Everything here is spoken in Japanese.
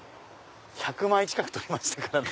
１００枚近く撮りましたからね！